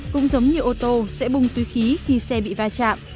cũng giống như ô tô sẽ bung túi khí khi xe bị va chạm